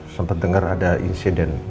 sempet denger ada insiden